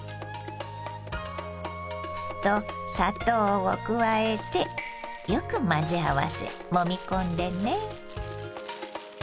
酢と砂糖を加えてよく混ぜ合わせもみ込んでね。